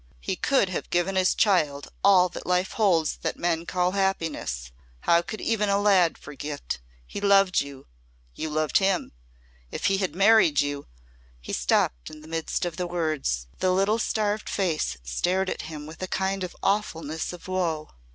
"He could have given his child all that life holds that men call happiness. How could even a lad forget! He loved you you loved him. If he had married you " He stopped in the midst of the words. The little starved face stared at him with a kind of awfulness of woe.